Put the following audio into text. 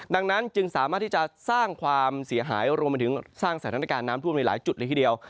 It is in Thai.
ดังนั้นจึงสามารถที่จะสร้างความเสียหายรวมไปถึงสร้างสถานการณ์น้ำท่วมในหลายจุดเลยทีเดียว